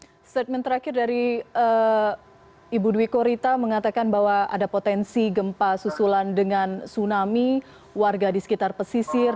dan statement terakhir dari ibu dwi korita mengatakan bahwa ada potensi gempa susulan dengan tsunami warga di sekitar pesisir